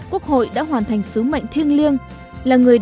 quốc hội đã hoàn thành sứ mệnh thiêng liêng